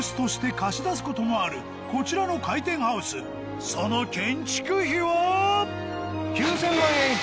こちらの回転ハウスその建築費は？